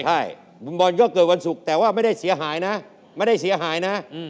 ใช่บรมบอลก็เกิดวันศุกร์แต่ว่าไม่ได้เสียหายนะงั้น